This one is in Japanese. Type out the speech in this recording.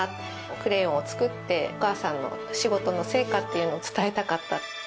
クレヨンを作ってお母さんの仕事の成果っていうのを伝えたかった。